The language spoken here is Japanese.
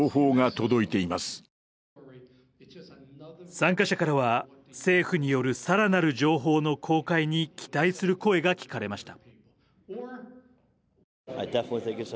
参加者からは、政府によるさらなる情報の公開に期待する声が聞かれました。